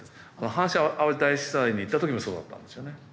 阪神・淡路大震災に行った時もそうだったんですよね。